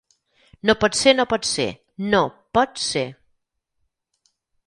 No pot ser, no pot ser, No, Pot, Ser!